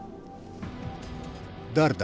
誰だ？